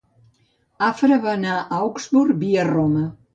Afra va anar cap Augsburg, via Roma.